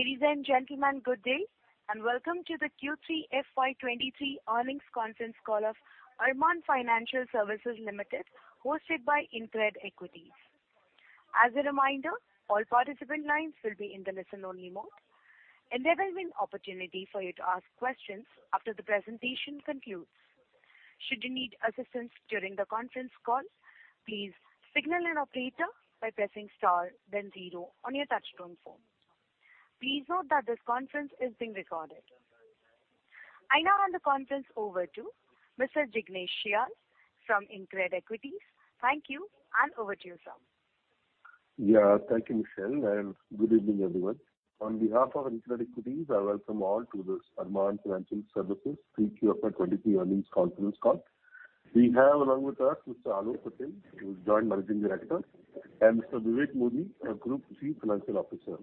Ladies and gentlemen, good day, and welcome to the Q3 FY 23 earnings conference call of Arman Financial Services Limited, hosted by InCred Equities. As a reminder, all participant lines will be in the listen-only mode. There will be an opportunity for you to ask questions after the presentation concludes. Should you need assistance during the conference call, please signal an operator by pressing star then zero on your touchtone phone. Please note that this conference is being recorded. I now hand the conference over to Mr. Jignesh Shial from InCred Equities. Thank you. Over to you, sir. Thank you, Michelle, good evening, everyone. On behalf of InCred Equities, I welcome all to this Arman Financial Services Q3 FY23 earnings conference call. We have along with us Mr. Aalok Patel, who is Joint Managing Director, and Mr. Vivek Modi, our Group Chief Financial Officer.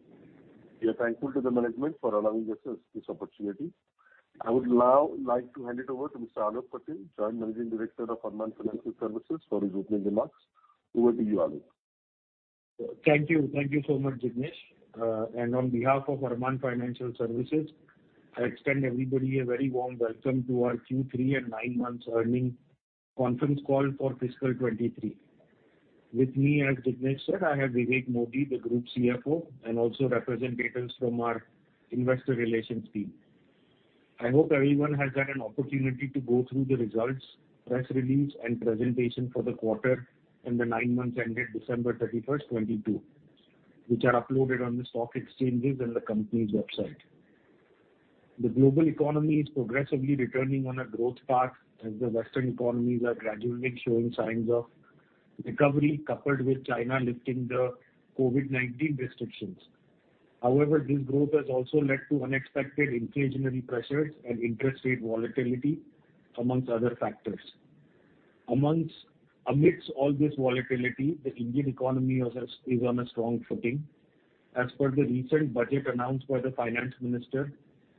We are thankful to the management for allowing us this opportunity. I would now like to hand it over to Mr. Aalok Patel, Joint Managing Director of Arman Financial Services for his opening remarks. Over to you, Aalok. Thank you. Thank you so much, Jignesh. On behalf of Arman Financial Services, I extend everybody a very warm welcome to our Q3 and nine months earnings conference call for fiscal 2023. With me, as Jignesh said, I have Vivek Modi, the Group CFO, and also representatives from our investor relations team. I hope everyone has had an opportunity to go through the results, press release, and presentation for the quarter and the nine months ended December 31, 2022, which are uploaded on the stock exchanges and the company's website. The global economy is progressively returning on a growth path as the Western economies are gradually showing signs of recovery, coupled with China lifting the COVID-19 restrictions. However, this growth has also led to unexpected inflationary pressures and interest rate volatility amongst other factors. Amidst all this volatility, the Indian economy is on a strong footing. As per the recent budget announced by the finance minister,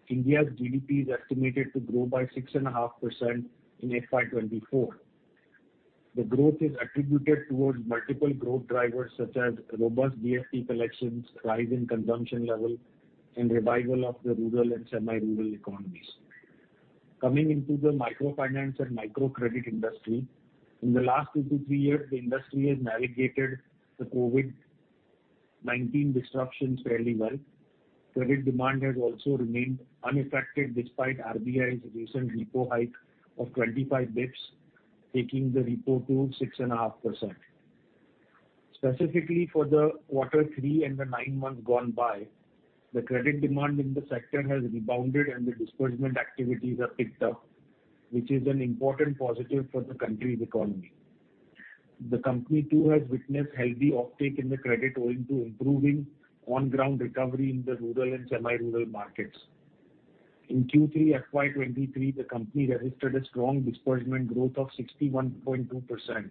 India's GDP is estimated to grow by 6.5% in FY 2024. The growth is attributed towards multiple growth drivers such as robust GST collections, rise in consumption level, and revival of the rural and semi-rural economies. Coming into the microfinance and microcredit industry, in the last 2-3 years, the industry has navigated the COVID-19 disruptions fairly well. Credit demand has also remained unaffected despite RBI's recent repo hike of 25 basis points, taking the repo to 6.5%. Specifically for the quarter three and the nine months gone by, the credit demand in the sector has rebounded and the disbursement activities have picked up, which is an important positive for the country's economy. The company too has witnessed healthy uptake in the credit owing to improving on-ground recovery in the rural and semi-rural markets. In Q3 FY23, the company registered a strong disbursement growth of 61.2%,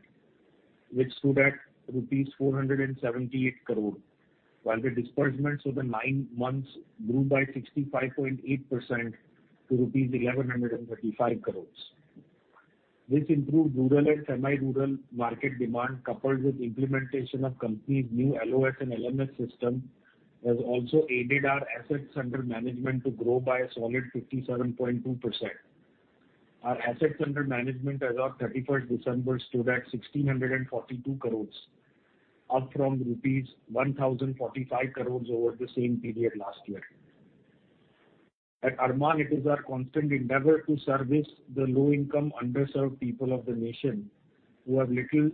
which stood at rupees 478 crore, while the disbursements for the nine months grew by 65.8% to rupees 1,135 crores. This improved rural and semi-rural market demand, coupled with implementation of company's new LOS and LMS system, has also aided our assets under management to grow by a solid 57.2%. Our assets under management as of 31st December stood at 1,642 crores, up from rupees 1,045 crores over the same period last year. At Arman, it is our constant endeavor to service the low-income, underserved people of the nation who have little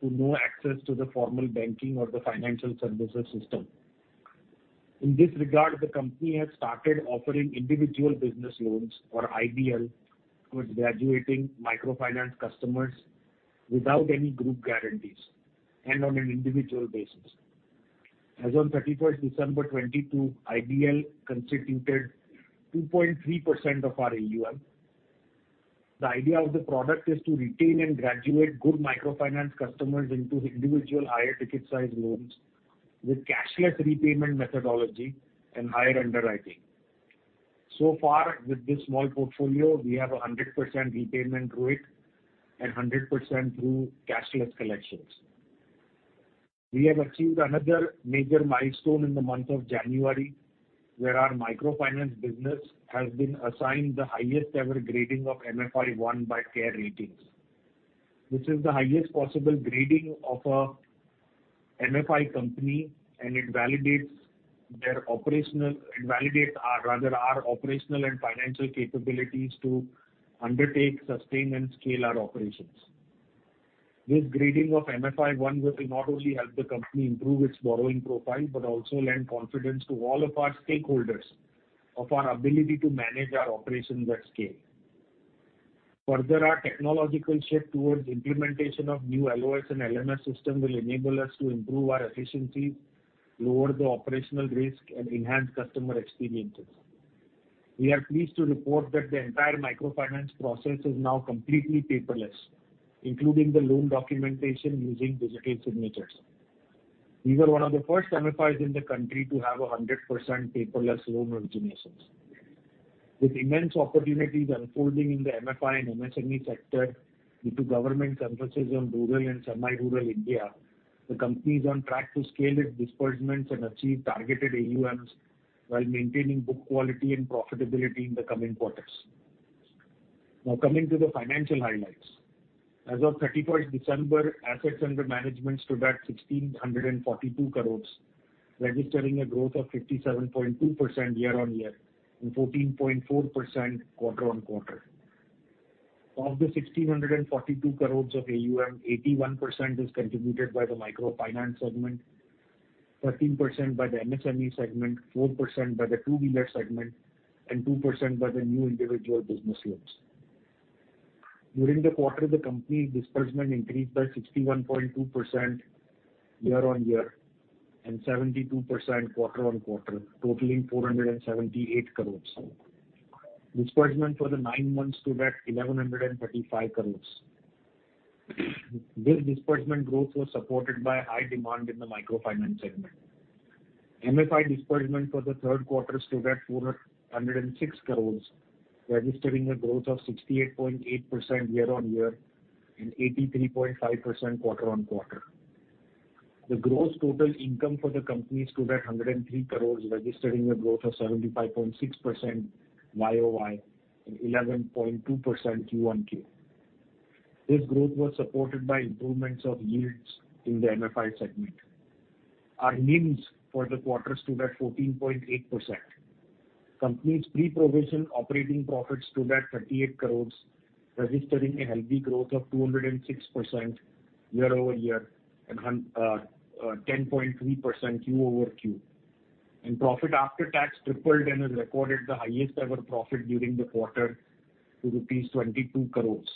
to no access to the formal banking or the financial services system. In this regard, the company has started offering Individual Business Loans, or IBL, towards graduating microfinance customers without any group guarantees and on an individual basis. As on 31st December 2022, IBL constituted 2.3% of our AUM. The idea of the product is to retain and graduate good microfinance customers into individual higher ticket size loans with cashless repayment methodology and higher underwriting. So far with this small portfolio, we have a 100% repayment through it and 100% through cashless collections. We have achieved another major milestone in the month of January, where our microfinance business has been assigned the highest-ever grading of MFI one by CARE Ratings. This is the highest possible grading of a MFI company. It validates our, rather, operational and financial capabilities to undertake, sustain, and scale our operations. This grading of MFI 1 will not only help the company improve its borrowing profile but also lend confidence to all of our stakeholders of our ability to manage our operations at scale. Our technological shift towards implementation of new LOS and LMS system will enable us to improve our efficiency, lower the operational risk, and enhance customer experiences. We are pleased to report that the entire microfinance process is now completely paperless, including the loan documentation using digital signatures. We were one of the first MFIs in the country to have a 100% paperless loan originations. With immense opportunities unfolding in the MFI and MSME sector due to government emphasis on rural and semi-rural India, the company is on track to scale its disbursements and achieve targeted AUMs while maintaining book quality and profitability in the coming quarters. Coming to the financial highlights. As of 31st December, assets under management stood at 1,642 crores, registering a growth of 57.2% year-on-year and 14.4% quarter-on-quarter. Of the 1,642 crores of AUM, 81% is contributed by the microfinance segment, 13% by the MSME segment, 4% by the two-wheeler segment, and 2% by the new Individual Business Loans. During the quarter, the company disbursement increased by 61.2% year-on-year and 72% quarter-on-quarter, totaling 478 crores. Disbursement for the nine months stood at 1,135 crores. This disbursement growth was supported by high demand in the microfinance segment. MFI disbursement for the third quarter stood at 406 crores, registering a growth of 68.8% year-on-year and 83.5% quarter-on-quarter. The gross total income for the company stood at 103 crores, registering a growth of 75.6% YOY and 11.2% QOQ. This growth was supported by improvements of yields in the MFI segment. Our NIMs for the quarter stood at 14.8%. Company's pre-provision operating profits stood at 38 crores, registering a healthy growth of 206% year-over-year and 10.3% quarter-over-quarter. Profit after tax tripled and has recorded the highest ever profit during the quarter to rupees 22 crores.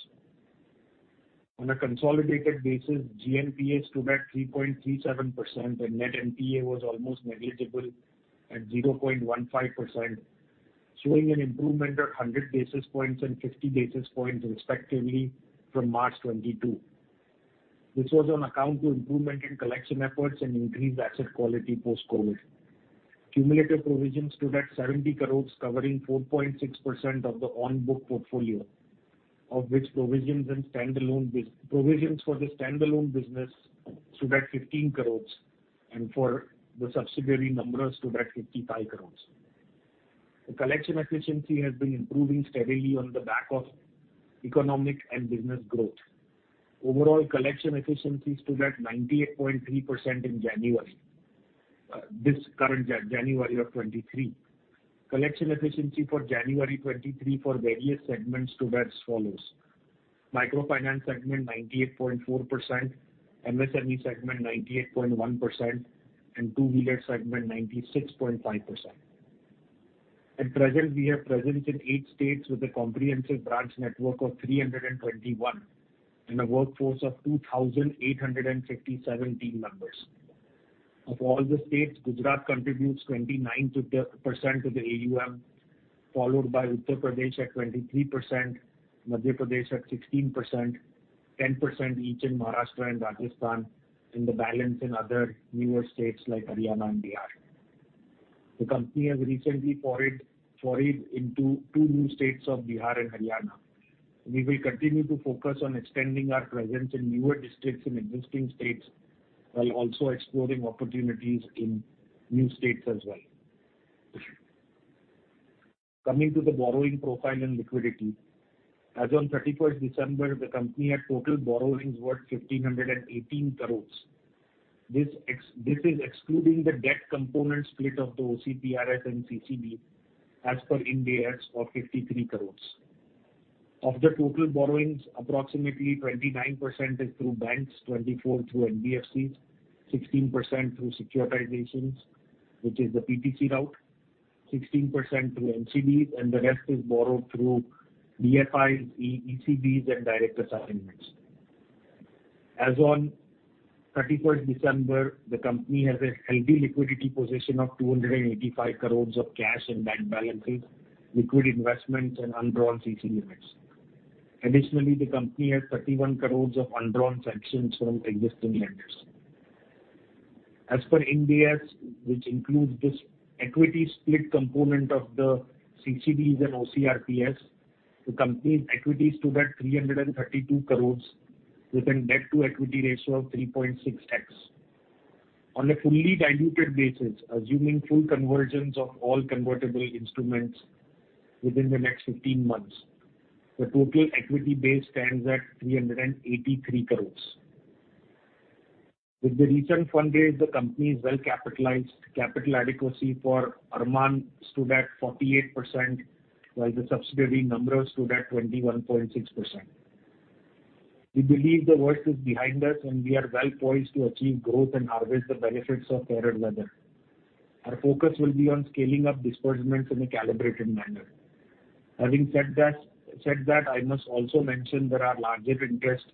On a consolidated basis, GNPA stood at 3.37% and net NPA was almost negligible at 0.15%, showing an improvement of 100 basis points and 50 basis points respectively from March 2022. This was on account to improvement in collection efforts and increased asset quality post-COVID-19. Cumulative provisions stood at 70 crores, covering 4.6% of the on-book portfolio, of which provisions and standalone provisions for the standalone business stood at 15 crores, and for the subsidiary numbers stood at 55 crores. The collection efficiency has been improving steadily on the back of economic and business growth. Overall collection efficiency stood at 98.3% in January, this current January of 2023. Collection efficiency for January 2023 for various segments stood as follows: microfinance segment, 98.4%; MSME segment, 98.1%; and two-wheeler segment, 96.5%. At present, we are present in 8 states with a comprehensive branch network of 321 and a workforce of 2,857 team members. Of all the states, Gujarat contributes 29% to the AUM, followed by Uttar Pradesh at 23%, Madhya Pradesh at 16%, 10% each in Maharashtra and Rajasthan, and the balance in other newer states like Haryana and Bihar. The company has recently forayed into two new states of Bihar and Haryana. We will continue to focus on extending our presence in newer districts in existing states, while also exploring opportunities in new states as well. Coming to the borrowing profile and liquidity. As on 31st December, the company had total borrowings worth 1,518 crore. This is excluding the debt component split of the OCRPS and CCD as per Ind AS of 53 crore. Of the total borrowings, approximately 29% is through banks, 24% through NBFCs, 16% through securitizations, which is the PTC route, 16% through NCDs, and the rest is borrowed through DFIs, ECBs and direct assignments. As on 31st December, the company has a healthy liquidity position of 285 crore of cash and bank balances, liquid investments and undrawn CC limits. Additionally, the company has 31 crore of undrawn sanctions from existing lenders. As per Ind AS, which includes this equity split component of the CCBs and OCRPS, the company's equity stood at 332 crores with a debt-to-equity ratio of 3.6x. On a fully diluted basis, assuming full convergence of all convertible instruments within the next 15 months, the total equity base stands at 383 crores. With the recent fundraise, the company is well capitalized. Capital adequacy for Arman stood at 48%, while the subsidiary numbers stood at 21.6%. We believe the worst is behind us, and we are well poised to achieve growth and harvest the benefits of fairer weather. Our focus will be on scaling up disbursements in a calibrated manner. Having said that, I must also mention that our larger interest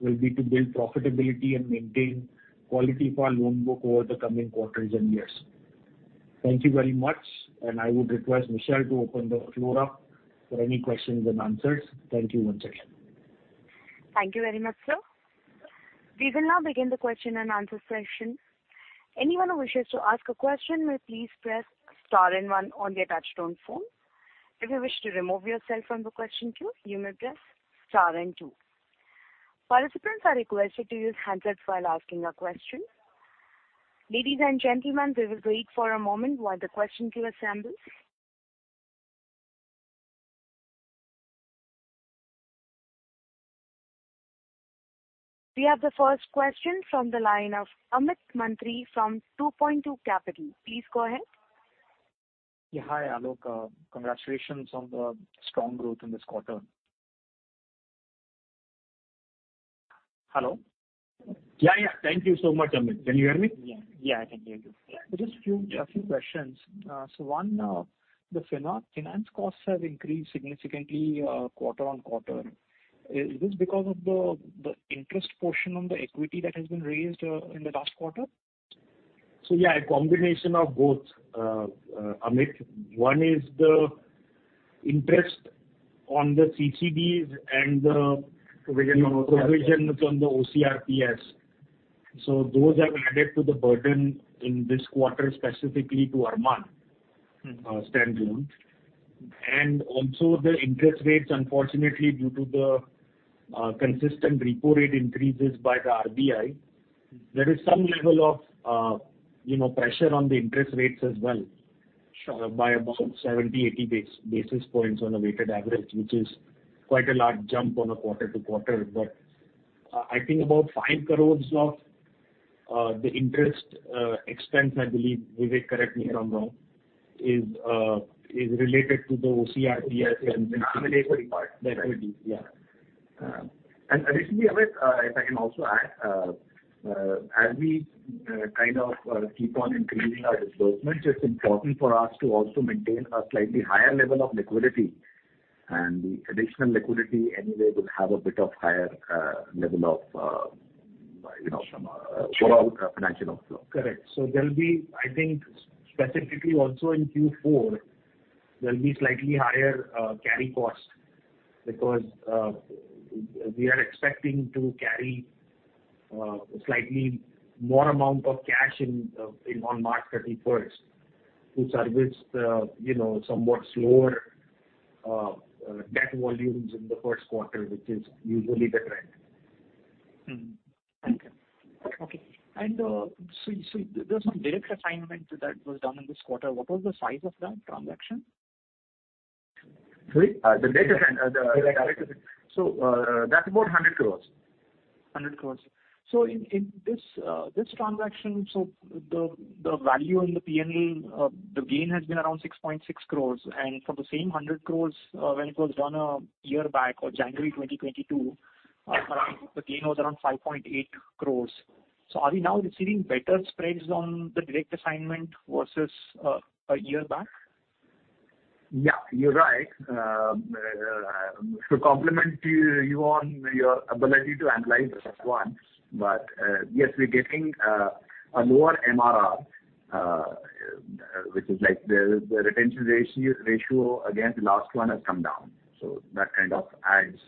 will be to build profitability and maintain quality for our loan book over the coming quarters and years. Thank you very much, and I would request Michelle to open the floor up for any questions and answers. Thank you once again. Thank you very much, sir. We will now begin the question and answer session. Anyone who wishes to ask a question may please press star and one on their touchtone phone. If you wish to remove yourself from the question queue, you may press star and two. Participants are requested to use handsets while asking a question. Ladies and gentlemen, we will wait for a moment while the question queue assembles. We have the first question from the line of Amit Mantri from 2Point2 Capital. Please go ahead. Yeah. Hi, Aalok. Congratulations on the strong growth in this quarter. Hello? Yeah. Thank you so much, Amit. Can you hear me? Yeah. Yeah, I can hear you. Just a few questions. One, the finance costs have increased significantly quarter-on-quarter. Is this because of the interest portion on the equity that has been raised in the last quarter? Yeah, a combination of both, Amit. One is the interest on the CCDs and. Provision ...provisions on the OCRPS. Those have added to the burden in this quarter, specifically to Arman standalone. Also the interest rates, unfortunately, due to the consistent repo rate increases by the RBI, there is some level of, you know, pressure on the interest rates as well. Sure. By about 70, 80 basis points on a weighted average, which is quite a large jump on a quarter-over-quarter. I think about 5 crores of the interest expense, I believe, Vivek, correct me if I'm wrong, is related to the OCRPS and the regulatory part. Regulatory, yeah. Additionally, Amit, if I can also add, as we kind of keep on increasing our disbursements, it's important for us to also maintain a slightly higher level of liquidity. The additional liquidity anyway will have a bit of higher level of, you know, financial flow. Correct. There'll be, I think, specifically also in Q4, there'll be slightly higher carry cost because we are expecting to carry slightly more amount of cash in in on-market reports to service the, you know, somewhat slower debt volumes in the first quarter, which is usually the trend. Mm-hmm. Okay. Okay. There's some direct assignment that was done in this quarter. What was the size of that transaction? Sorry? The data center, the direct assignment. Data center. That's about 100 crores. 100 crores. In this transaction, the value in the P&L, the gain has been around 6.6 crores. For the same 100 crores, when it was done a year back or January 2022, the gain was around 5.8 crores. Are we now receiving better spreads on the direct assignment versus a year back? Yeah, you're right. To complement you on your ability to analyze this at once. Yes, we're getting a lower MRR, which is like the retention ratio against the last one has come down. That kind of adds,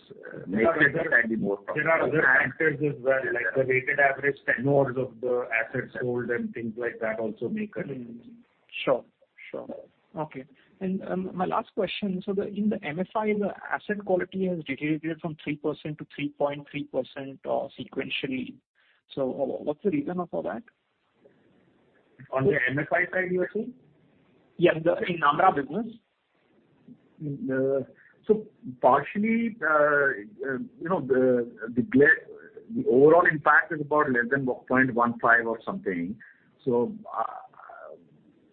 makes it slightly more profitable. There are other factors as well, like the weighted average tenures of the assets sold and things like that also make a difference. Mm-hmm. Sure. Sure. Okay. My last question, the, in the MFI, the asset quality has deteriorated from 3% to 3.3%, sequentially. What's the reason for that? On the MFI side, you're saying? Yeah, the, in our business. Partially, the, you know, the overall impact is about less than 0.15 or something.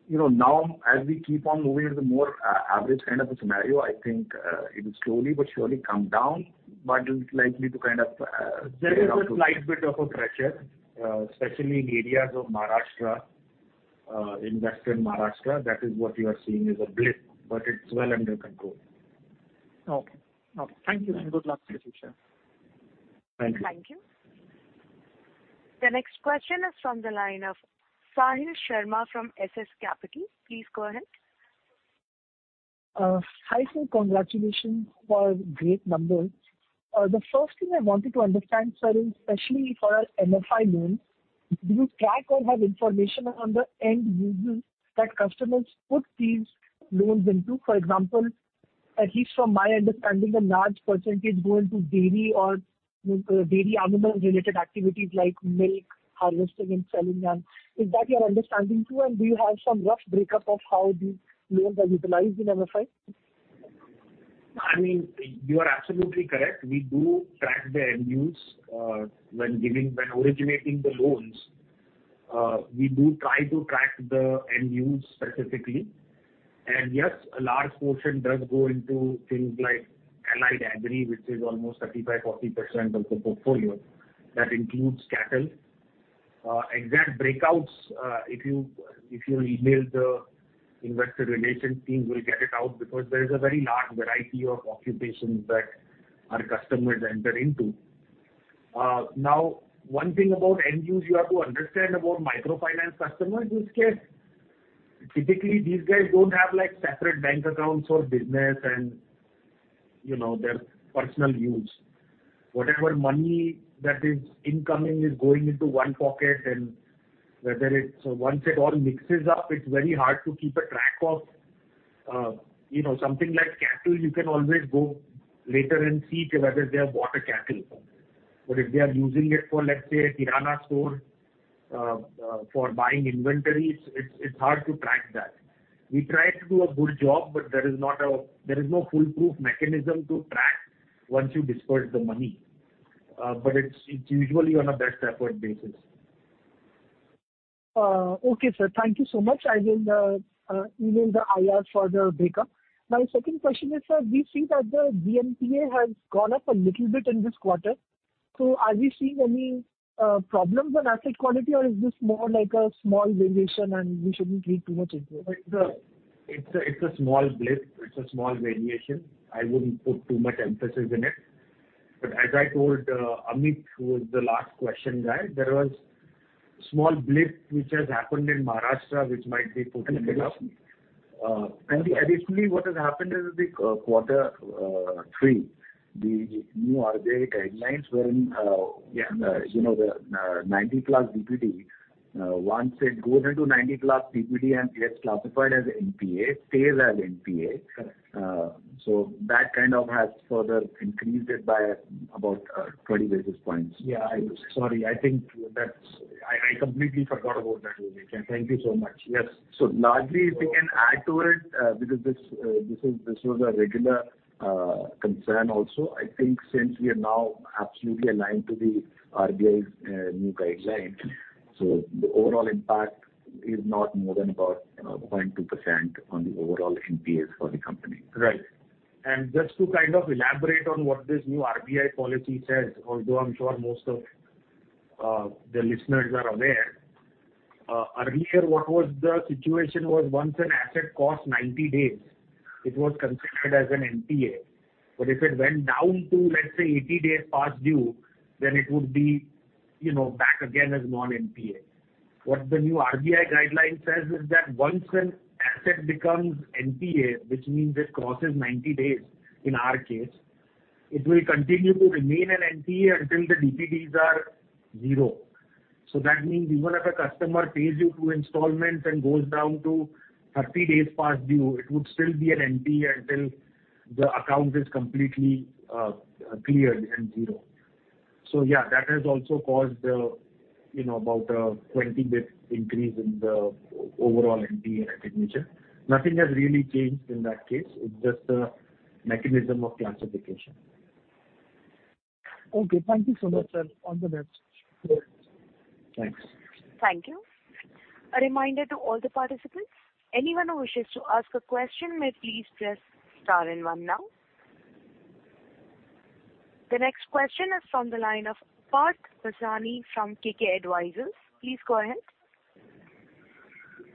You know, now as we keep on moving into the more average kind of a scenario, I think, it will slowly but surely come down, but it's likely to kind of level up. There is a slight bit of a pressure, especially in areas of Maharashtra, in Western Maharashtra. That is what you are seeing as a blip, but it's well under control. Okay. Okay. Thank you, and good luck for the future. Thank you. Thank you. The next question is from the line of Sahil Sharma from SS Capital. Please go ahead. Hi, sir. Congratulations for great numbers. The first thing I wanted to understand, sir, especially for our MFI loans, do you track or have information on the end users that customers put these loans into? For example, at least from my understanding, a large percentage go into dairy or dairy animal-related activities like milk harvesting and selling. Is that your understanding too? Do you have some rough breakup of how these loans are utilized in MFI? I mean, you are absolutely correct. We do track the end use, when giving, when originating the loans. We do try to track the end use specifically. Yes, a large portion does go into things like allied agri, which is almost 35%-40% of the portfolio. That includes cattle. Exact breakouts, if you email the investor relations team, we'll get it out because there is a very large variety of occupations that our customers enter into. Now, one thing about end use you have to understand about microfinance customers is that. Typically, these guys don't have, like, separate bank accounts for business and, you know, their personal use. Whatever money that is incoming is going into one pocket and whether it's... Once it all mixes up, it's very hard to keep a track of, you know, something like cattle, you can always go later and see whether they have bought a cattle. If they are using it for, let's say, a kirana store, for buying inventories, it's hard to track that. We try to do a good job, but there is no foolproof mechanism to track once you disperse the money. It's, it's usually on a best effort basis. Okay, sir. Thank you so much. I will email the IR for the breakup. My second question is, sir, we see that the GNPA has gone up a little bit in this quarter. Are we seeing any problems on asset quality or is this more like a small variation and we shouldn't read too much into it? It's a small blip. It's a small variation. I wouldn't put too much emphasis in it. As I told Amit, who was the last question guy, there was small blip which has happened in Maharashtra which might be putting it up. Additionally, what has happened is the quarter three, the new RBI guidelines were in. Yeah. You know, the 90-plus DPD. Once it goes into 90-plus DPD and gets classified as NPA, stays as NPA. Correct. So that kind of has further increased it by about 20 basis points. Yeah, I. Sorry, I think that's. I completely forgot about that, Dvij. Thank you so much. Yes. Largely, if we can add to it, because this is, this was a regular concern also. I think since we are now absolutely aligned to the RBI's new guidelines, the overall impact is not more than about, you know, 0.2% on the overall NPAs for the company. Right. Just to kind of elaborate on what this new RBI policy says, although I'm sure most of the listeners are aware. Earlier what was the situation was once an asset cost 90 days, it was considered as an NPA. But if it went down to, let's say, 80 days past due, then it would be, you know, back again as non-NPA. What the new RBI guideline says is that once an asset becomes NPA, which means it crosses 90 days in our case, it will continue to remain an NPA until the DPDs are zero. That means even if a customer pays you through installments and goes down to 30 days past due, it would still be an NPA until the account is completely cleared and zero. Yeah, that has also caused, you know, about 20 basis points increase in the overall NPA recognition. Nothing has really changed in that case. It's just a mechanism of classification. Thank you so much, sir. On the next. Sure. Thanks. Thank you. A reminder to all the participants, anyone who wishes to ask a question may please press star and one now. The next question is from the line of Parth Vasani from KK Advisors. Please go ahead.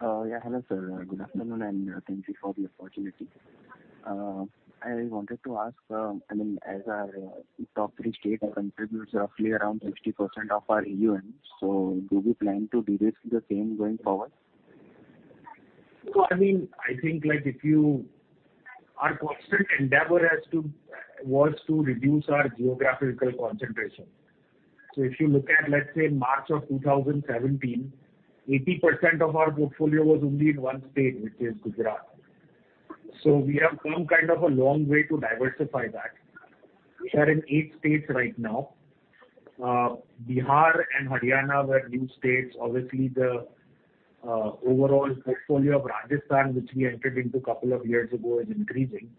Yeah. Hello, sir. Good afternoon. Thank you for the opportunity. I wanted to ask, I mean, as our top three state contributes roughly around 60% of our AUMs, do we plan to de-risk the same going forward? I mean, I think like Our constant endeavor has to, was to reduce our geographical concentration. If you look at, let's say, March of 2017, 80% of our portfolio was only in one state, which is Gujarat. We have come kind of a long way to diversify that. We are in eight states right now. Bihar and Haryana were new states. Obviously, the overall portfolio of Rajasthan, which we entered into couple of years ago, is increasing.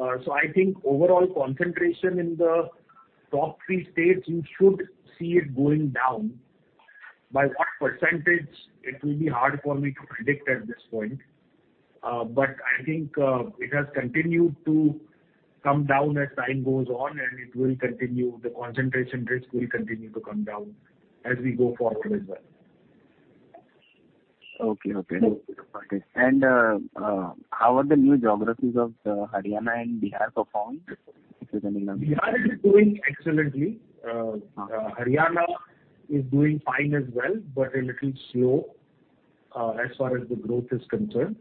I think overall concentration in the top three states, you should see it going down. By what percentage, it will be hard for me to predict at this point. I think, it has continued to come down as time goes on, and the concentration risk will continue to come down as we go forward as well. Okay. Okay. Yes. How are the new geographies of Haryana and Bihar performed if there's any number? Bihar is doing excellently. Uh-huh. Haryana is doing fine as well, but a little slow, as far as the growth is concerned.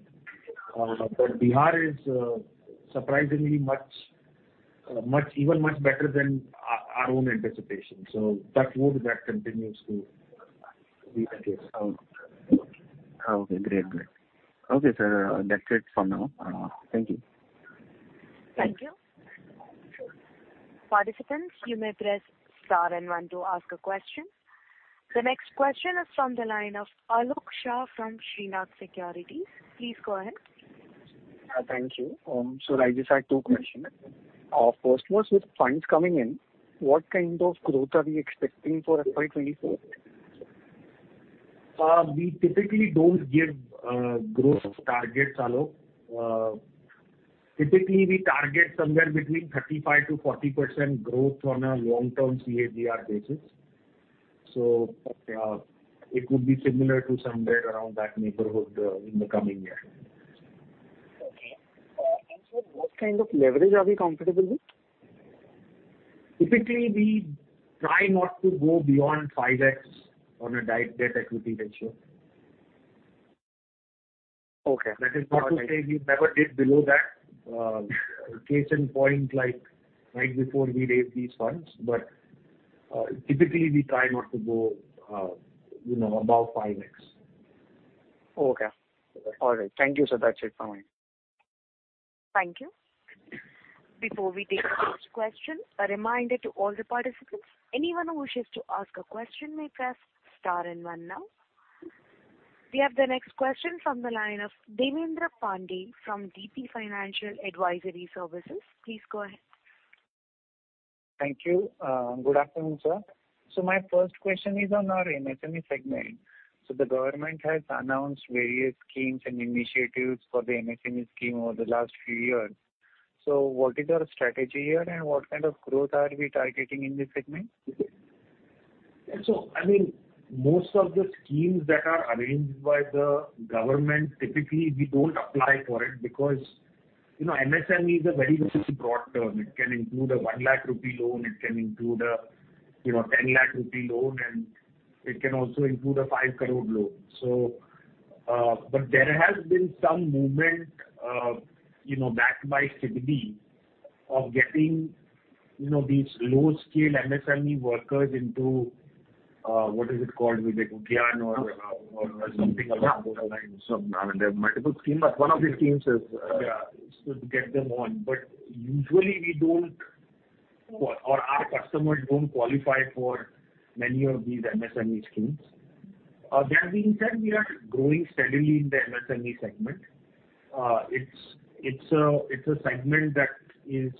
Bihar is surprisingly much, even much better than our own anticipation. Touch wood that continues to be the case. Okay. Okay, great. Great. Okay, sir. That's it for now. Thank you. Thank you. Participants, you may press star and one to ask a question. The next question is from the line of Alok Shah from Shrinath Securities. Please go ahead. Thank you. I just had two questions. First was with funds coming in, what kind of growth are we expecting for FY 2024? We typically don't give growth targets, Alok. Typically we target somewhere between 35%-40% growth on a long-term CAGR basis. It would be similar to somewhere around that neighborhood in the coming year. What kind of leverage are we comfortable with? Typically, we try not to go beyond 5x on a debt equity ratio. Okay. That is not to say we never did below that, case in point, like right before we raised these funds, but, typically we try not to go, you know, above 5x. Okay. All right. Thank you, sir. That's it from me. Thank you. Before we take the next question, a reminder to all the participants, anyone who wishes to ask a question may press star and one now. We have the next question from the line of Devendra Pandey from DP Financial. Please go ahead. Thank you. Good afternoon, sir. My first question is on our MSME segment. The government has announced various schemes and initiatives for the MSME scheme over the last few years. What is our strategy here, and what kind of growth are we targeting in this segment? I mean, most of the schemes that are arranged by the government, typically, we don't apply for it because, you know, MSME is a very broad term. It can include a 1 lakh rupee loan, it can include a, you know, 10 lakh rupee loan, and it can also include a 5 crore INR loan. There has been some movement, you know, backed by SIDBI of getting, you know, these low scale MSME workers into, what is it called? With the Gyan or something along those lines. Yeah. I mean, there are multiple schemes, but one of the schemes is- To get them on. Usually we don't or our customers don't qualify for many of these MSME schemes. That being said, we are growing steadily in the MSME segment. It's a segment that is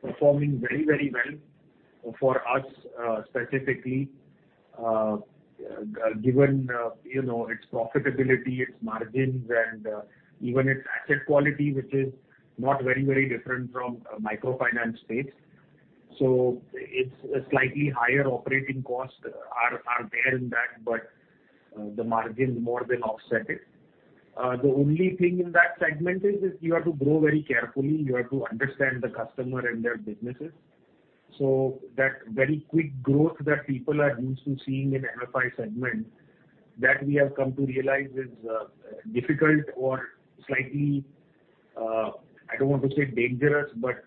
performing very, very well for us, specifically, given, you know, its profitability, its margins, and even its asset quality, which is not very, very different from microfinance space. It's a slightly higher operating cost are there in that, but the margins more than offset it. The only thing in that segment is you have to grow very carefully. You have to understand the customer and their businesses. That very quick growth that people are used to seeing in MFI segment that we have come to realize is difficult or slightly, I don't want to say dangerous, but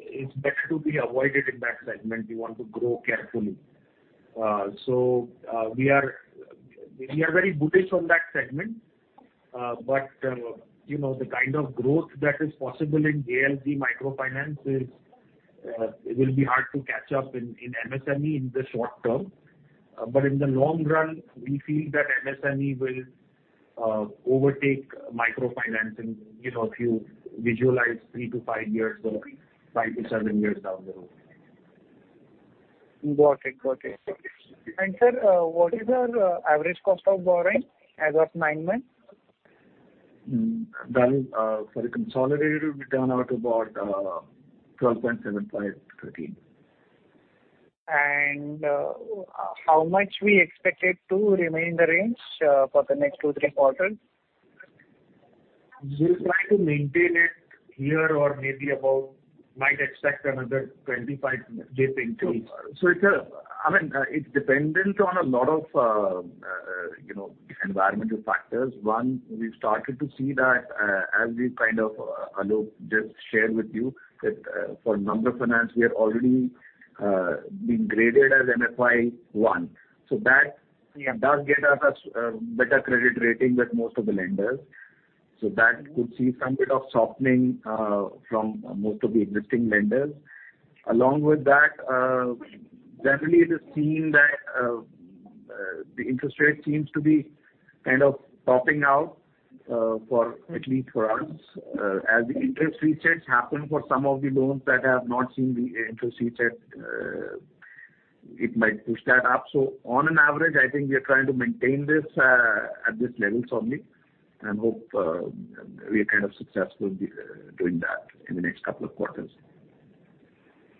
it's better to be avoided in that segment. We want to grow carefully. We are very bullish on that segment. You know, the kind of growth that is possible in ALC microfinance is hard to catch up in MSME in the short term. In the long run, we feel that MSME will overtake microfinance in, you know, if you visualize 3-5 years or 5-7 years down the road. Got it. Got it. Sir, what is our average cost of borrowing as of nine months? That is for consolidated, we turn out about, 12.75, 13. How much we expected to remain the range for the next two, three quarters? We'll try to maintain it here or maybe about might expect another 25 dip in Q4. I mean, it's dependent on a lot of, you know, environmental factors. One, we've started to see that as we kind of Aalok just shared with you that for Namra Finance, we are already being graded as MFI 1. That does get us a better credit rating with most of the lenders. Along with that, definitely the scene that the interest rate seems to be kind of topping out for at least for us, as the interest resets happen for some of the loans that have not seen the interest reset, it might push that up. On an average, I think we are trying to maintain this, at this level solidly and hope, we are kind of successful doing that in the next couple of quarters.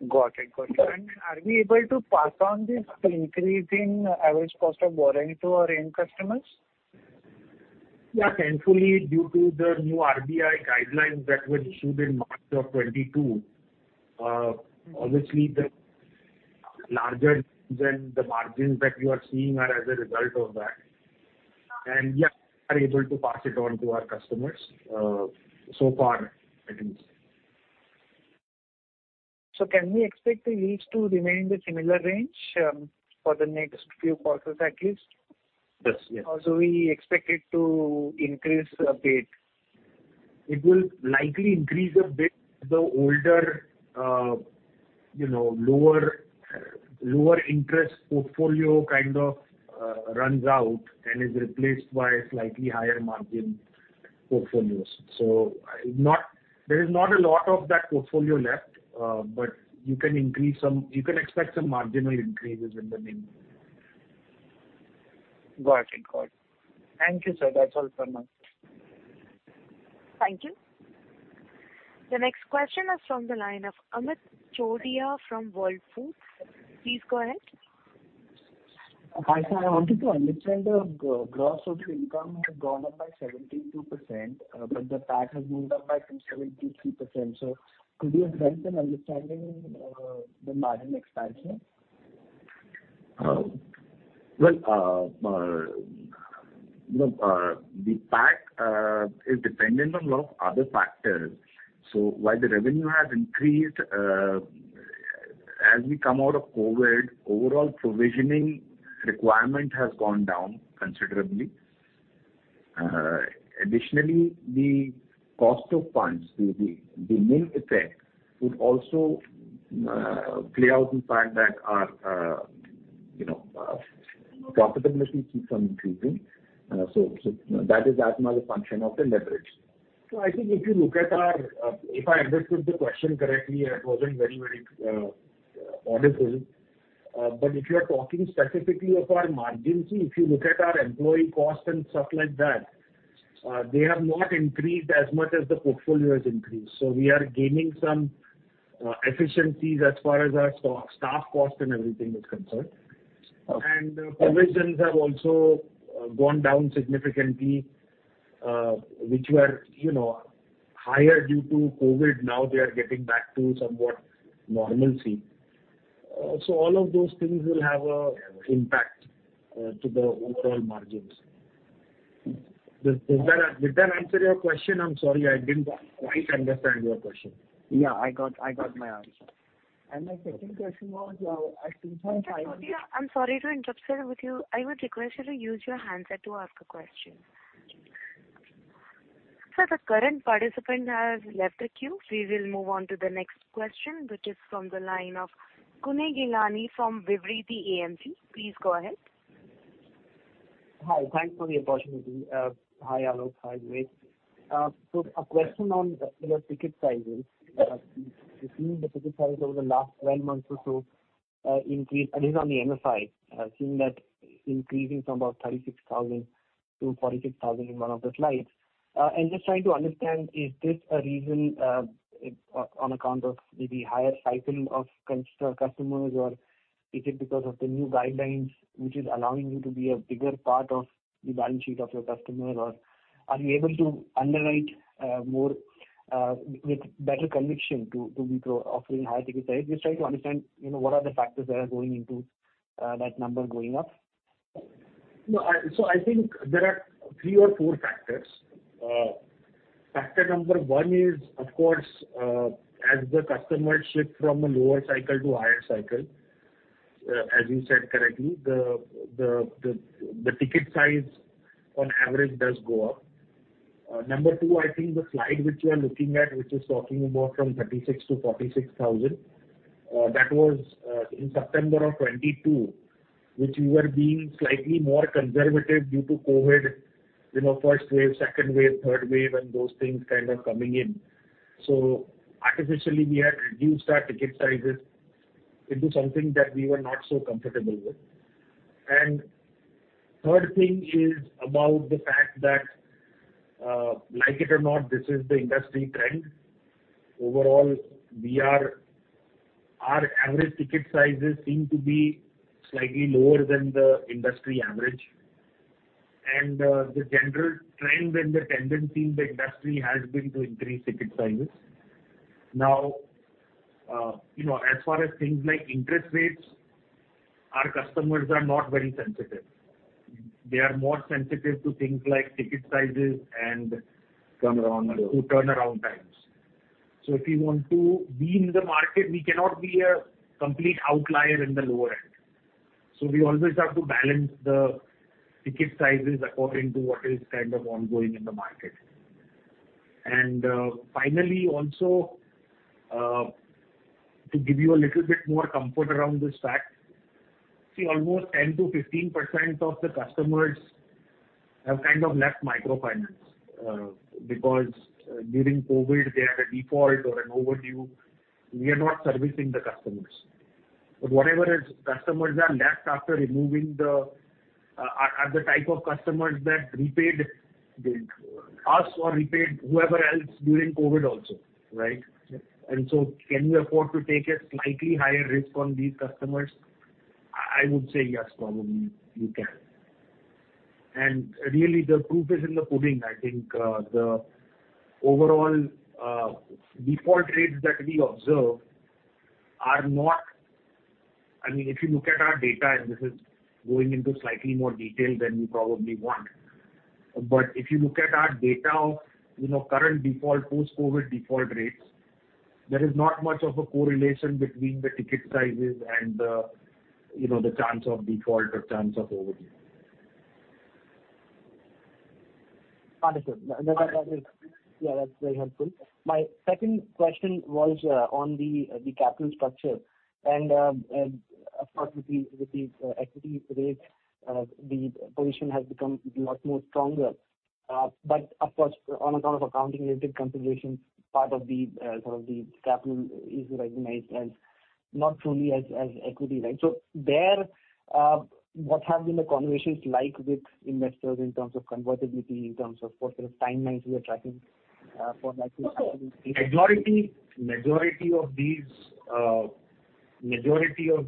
Got it. Are we able to pass on this increasing average cost of borrowing to our end customers? Yeah. Thankfully, due to the new RBI guidelines that were issued in March of 2022, obviously the larger than the margins that you are seeing are as a result of that. Yeah, we are able to pass it on to our customers, so far at least. Can we expect the yields to remain in the similar range, for the next few quarters at least? Yes. Yes. We expect it to increase a bit? It will likely increase a bit. The older, you know, lower interest portfolio kind of, runs out and is replaced by slightly higher margin portfolios. There is not a lot of that portfolio left, but you can expect some marginal increases in the mean. Got it. Got it. Thank you, sir. That's all from us. Thank you. The next question is from the line of Amit Choudhary from Wolfe Research. Please go ahead. Hi, sir. I wanted to understand the gross of your income has gone up by 72%, but the PAC has moved up by some 73%. Could you help in understanding the margin expansion? Well, look, the PAC is dependent on lot of other factors. While the revenue has increased, as we come out of COVID, overall provisioning requirement has gone down considerably. Additionally, the cost of funds, the main effect would also play out the fact that our, you know, profitability keeps on increasing. That is as much a function of the leverage. I think if you look at our... If I understood the question correctly, it wasn't very audible. If you are talking specifically of our margins, see, if you look at our employee cost and stuff like that, they have not increased as much as the portfolio has increased. We are gaining some efficiencies as far as our staff cost and everything is concerned. Okay. Provisions have also gone down significantly, which were, you know, higher due to COVID. Now they are getting back to somewhat normalcy. All of those things will have a impact to the overall margins. Did that answer your question? I'm sorry, I didn't quite understand your question. Yeah, I got my answer. My second question was, at some point. Mr. Chordia, I'm sorry to interrupt, sir, with you. I would request you to use your handset to ask a question. Sir, the current participant has left the queue. We will move on to the next question, which is from the line of Kunal Gilani from Vivriti AMC. Please go ahead. Hi. Thanks for the opportunity. Hi, Alok. Hi, Rohit. A question on your ticket sizes. We've seen the ticket size over the last 12 months or so, increase, at least on the MFIs. Seeing that increasing from about 36,000 to 46,000 in one of the slides. Just trying to understand, is this a reason on account of maybe higher cycling of customers or is it because of the new guidelines which is allowing you to be a bigger part of the balance sheet of your customer? Are you able to underwrite more with better conviction to be offering higher ticket size? Just trying to understand, you know, what are the factors that are going into that number going up. No, I think there are three or four factors. Factor number one is, of course, as the customers shift from a lower cycle to higher cycle, as you said correctly, the ticket size on average does go up. Number two, I think the slide which you are looking at, which is talking about from 36,000-46,000, that was in September of 2022, which we were being slightly more conservative due to COVID, you know, first wave, second wave, third wave and those things kind of coming in. Artificially, we had reduced our ticket sizes into something that we were not so comfortable with. Third thing is about the fact that, like it or not, this is the industry trend. Overall, we are... Our average ticket sizes seem to be slightly lower than the industry average. The general trend and the tendency in the industry has been to increase ticket sizes. Now, you know, as far as things like interest rates, our customers are not very sensitive. They are more sensitive to things like ticket sizes and- Turnaround times to turnaround times. If you want to be in the market, we cannot be a complete outlier in the lower end. We always have to balance the ticket sizes according to what is kind of ongoing in the market. Finally, also, to give you a little bit more comfort around this fact, see almost 10%-15% of the customers have kind of left microfinance because during COVID they had a default or an overdue. We are not servicing the customers. Whatever is customers are left after removing the... are the type of customers that repaid the us or repaid whoever else during COVID also, right? Can we afford to take a slightly higher risk on these customers? I would say yes, probably we can. Really the proof is in the pudding. I think, the overall, default rates that we observe. I mean, if you look at our data, and this is going into slightly more detail than you probably want. If you look at our data of, you know, current default, post-COVID default rates, there is not much of a correlation between the ticket sizes and, you know, the chance of default or chance of overdue. Understood. That is. Yeah, that's very helpful. My second question was on the capital structure and of course with the equity raise, the position has become lot more stronger. But of course on account of accounting related considerations, part of the sort of the capital is recognized as not truly as equity, right? There, what have been the conversations like with investors in terms of convertibility, in terms of what sort of timelines you are tracking? Majority of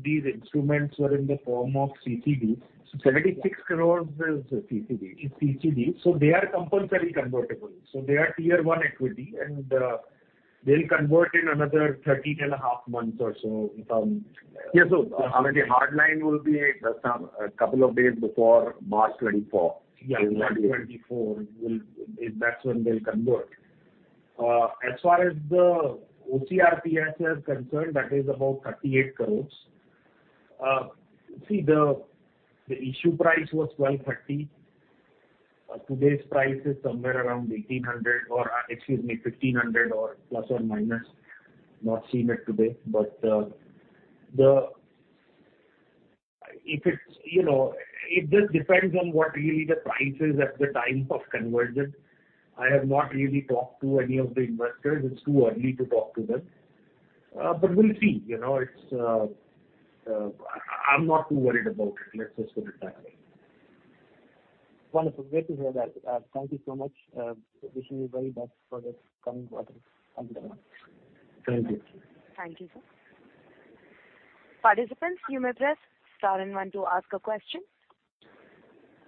these instruments were in the form of CCD. 76 crore is CCD. They are compulsory convertible. They are tier-one equity and they'll convert in another 13 and a half months or so from. Yes. I mean, the hard line will be a couple of days before March 2024. Yeah. March 2024 will. That's when they'll convert. As far as the OCRPS is concerned, that is about 38 crores. See the issue price was 1,230. Today's price is somewhere around 1,800 or, excuse me, 1,500 or ±. Not seen it today. If it's, you know, it just depends on what really the price is at the time of conversion. I have not really talked to any of the investors. It's too early to talk to them. We'll see, you know. It's, I'm not too worried about it, let's just put it that way. Wonderful. Great to hear that. Thank you so much. Wishing you very best for this coming quarter and the months. Thank you. Thank you, sir. Participants, you may press star and one to ask a question.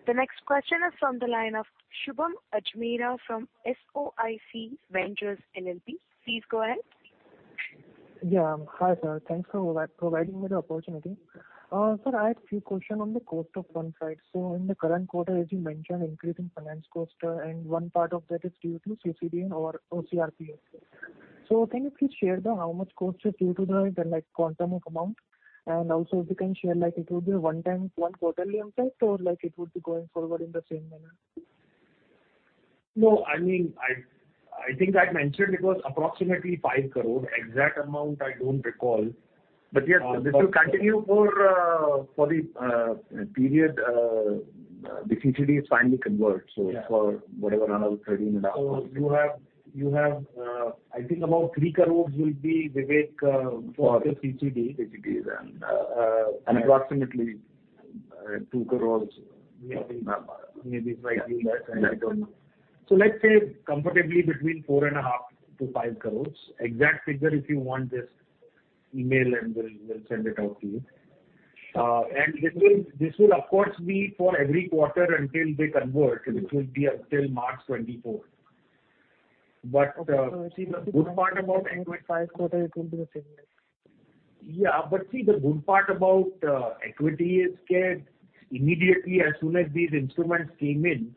The next question is from the line of Shubham Ajmera from SOIC Ventures LLP. Please go ahead. Hi, sir. Thanks for providing me the opportunity. sir, I had few question on the cost of funds side. in the current quarter, as you mentioned, increase in finance cost, and one part of that is due to CCD and OCRPS. can you please share the how much cost is due to the like quantum of amount? also if you can share, like, it would be a one time, one quarterly impact or, like, it would be going forward in the same manner. No. I mean, I think I had mentioned it was approximately 5 crore. Exact amount I don't recall. Yes, this will continue for the period the CCD is finally converted. Yeah. for whatever, another 13 and a half months. You have, I think about 3 crores will be Vivek, for the CCD. CCDs and approximately INR 2 crores. Yeah. Maybe slightly less. I don't know. Let's say comfortably between four and a half to 5 crores. Exact figure if you want, just email and we'll send it out to you. And this will of course be for every quarter until they convert, which will be until March 2024. See the good part about equity- For five quarter it will be the same way. Yeah. See, the good part about equity is, immediately as soon as these instruments came in,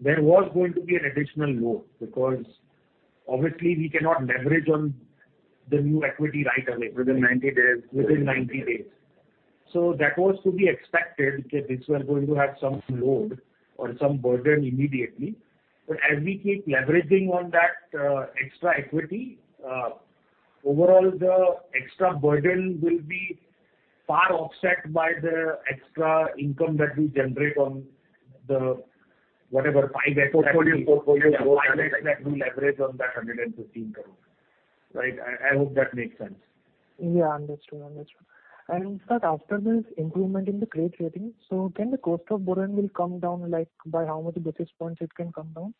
there was going to be an additional load because obviously we cannot leverage on the new equity right away. Within 90 days. Within 90 days. That was to be expected, that this was going to have some load or some burden immediately. As we keep leveraging on that, extra equity, overall the extra burden will be far offset by the extra income that we generate on the, whatever, five. Portfolio, portfolio. Yeah. Five extra we leverage on that 115 crore. Right? I hope that makes sense. Yeah. Understood. Understood. In fact, after this improvement in the credit rating, so can the cost of borrowing will come down, like by how much Basis Points it can come down?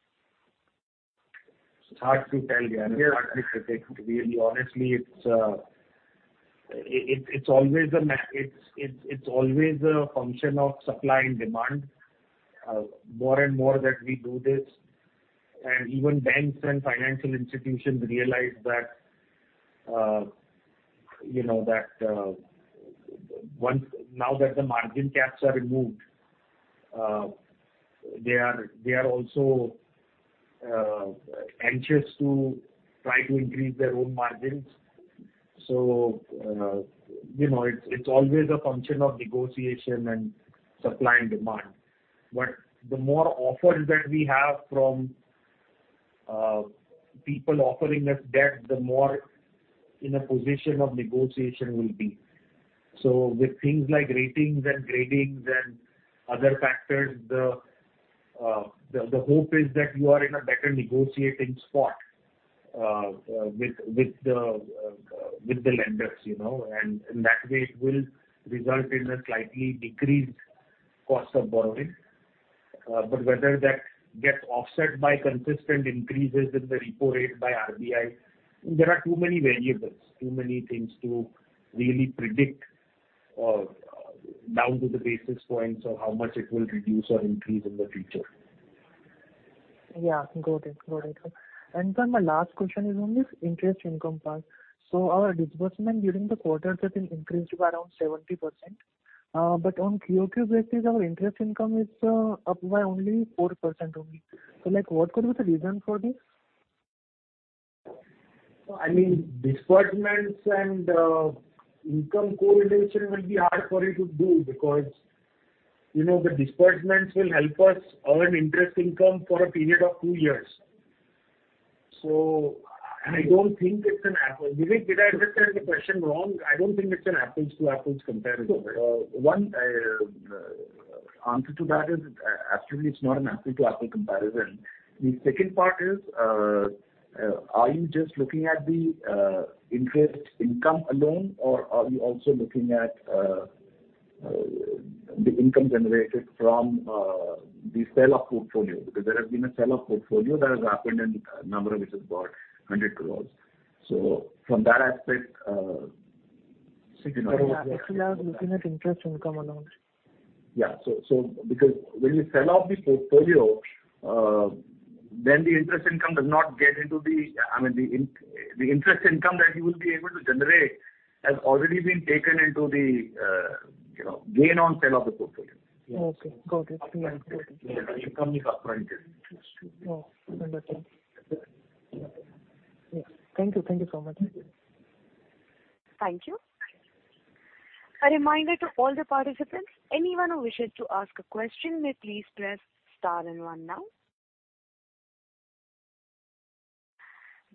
It's hard to tell. Yeah. It's hard to predict. We honestly, it's always a function of supply and demand. More and more that we do this and even banks and financial institutions realize that, you know, that, Now that the margin caps are removed, they are also anxious to try to increase their own margins. You know, it's always a function of negotiation and supply and demand. The more offers that we have from, people offering us debt, the more in a position of negotiation we'll be. With things like ratings and gradings and other factors, the hope is that you are in a better negotiating spot, with the lenders, you know. In that way it will result in a slightly decreased cost of borrowing. Whether that gets offset by consistent increases in the repo rate by RBI, there are too many variables, too many things to really predict, down to the basis points of how much it will reduce or increase in the future. Yeah. Got it. Got it. Sir, my last question is on this interest income part. Our disbursement during the quarter, that increased to around 70%. On QOQ basis, our interest income is up by only 4% only. Like, what could be the reason for this? I mean, disbursements and income correlation will be hard for you to do because, you know, the disbursements will help us earn interest income for a period of two years. Vivek, did I understand the question wrong? I don't think it's an apples to apples comparison. No. One answer to that is absolutely it's not an apple to apple comparison. The second part is, are you just looking at the interest income alone or are you also looking at-? The income generated from, the sale of portfolio because there has been a sale of portfolio that has happened in November which has got 100 crores. From that aspect. Actually, I was looking at interest income alone. Yeah. Because when you sell off the portfolio, then the interest income does not get into the, I mean, the interest income that you will be able to generate has already been taken into the, you know, gain on sale of the portfolio. Okay. Got it. Yeah. Got it. The income is upfronted. Oh, understood. Yes. Thank you. Thank you so much. Thank you. Thank you. A reminder to all the participants, anyone who wishes to ask a question may please press star and one now.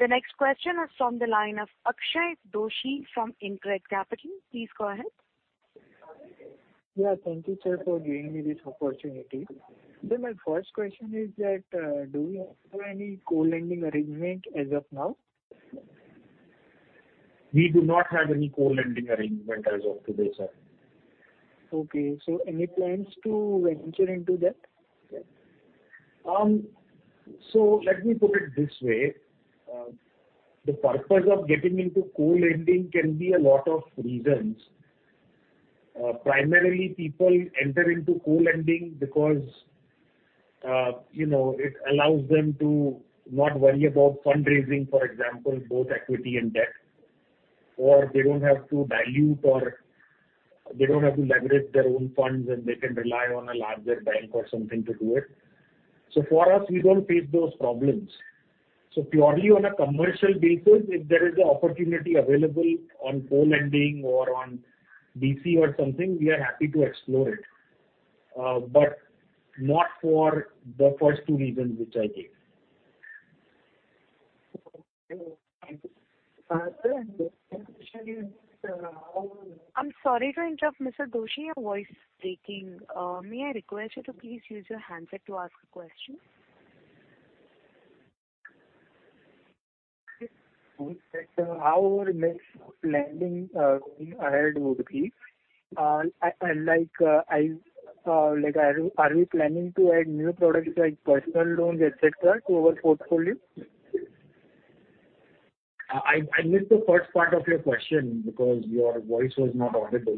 The next question is from the line of Akshay Doshi from Intraday Capital. Please go ahead. Yeah. Thank you, sir, for giving me this opportunity. My first question is that, do you have any co-lending arrangement as of now? We do not have any co-lending arrangement as of today, sir. Okay. Any plans to venture into that? Let me put it this way. The purpose of getting into co-lending can be a lot of reasons. Primarily people enter into co-lending because, you know, it allows them to not worry about fundraising, for example, both equity and debt. They don't have to dilute or they don't have to leverage their own funds, and they can rely on a larger bank or something to do it. For us, we don't face those problems. Purely on a commercial basis, if there is an opportunity available on co-lending or on BC or something, we are happy to explore it. Not for the first two reasons which I gave. Thank you. Sir, my question is. I'm sorry to interrupt, Mr. Doshi. Your voice is breaking. May I request you to please use your handset to ask a question? Okay. Sir, how our next lending going ahead would be? Like, are we planning to add new products like personal loans, et cetera, to our portfolio? I missed the first part of your question because your voice was not audible.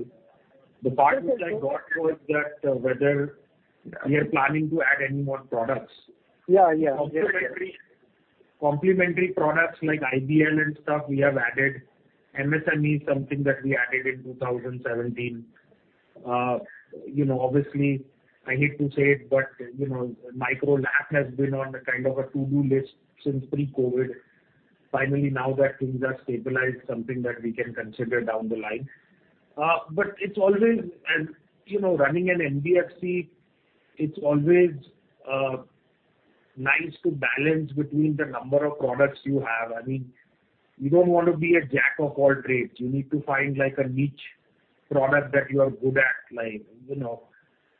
The part which I got was that whether we are planning to add any more products. Yeah, yeah. Yes, yes. Complementary, complementary products like IBL and stuff we have added. MSME is something that we added in 2017. You know, obviously, I hate to say it, but, you know, Micro LAP has been on a kind of a to-do list since pre-COVID-19. Finally, now that things are stabilized, something that we can consider down the line. It's always... As, you know, running an NBFC, it's always nice to balance between the number of products you have. I mean, you don't want to be a jack of all trades. You need to find like a niche product that you are good at. Like, you know,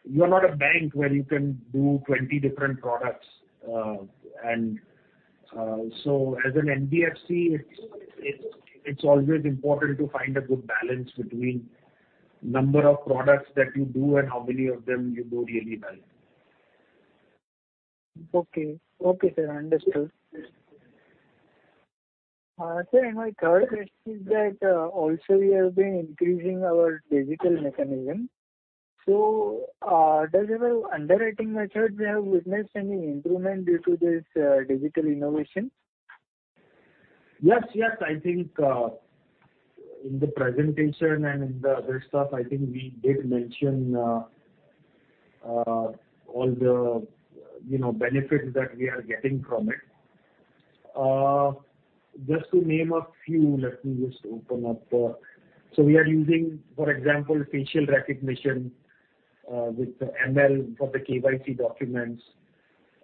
you are not a bank where you can do 20 different products. As an NBFC it's always important to find a good balance between number of products that you do and how many of them you do really well. Okay. Okay, sir. Understood. Sir, my third question is that, also we have been increasing our digital mechanism. Does our underwriting method have witnessed any improvement due to this, digital innovation? Yes, yes. I think, in the presentation and in the other stuff, I think we did mention, all the, you know, benefits that we are getting from it. Just to name a few, let me just open up. We are using, for example, facial recognition, with ML for the KYC documents.